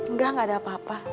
nggak nggak ada apa apa